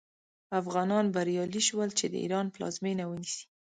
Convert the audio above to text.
افغانان بریالي شول چې د ایران پلازمینه ونیسي.